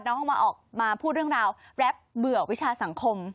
ต้องมาออกมาพูดเรื่องราวแรปเบื่อวิชาสังคม